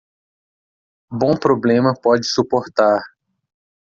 Bom problema pode suportar